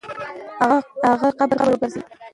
هغه قبر په قبر وګرځېد.